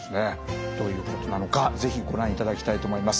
どういうことなのか是非ご覧いただきたいと思います。